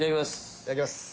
いただきます。